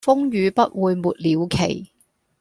風雨不會沒了期